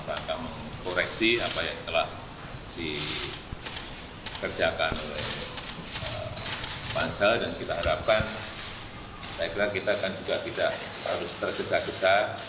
saya kira kita juga tidak harus tergesa gesa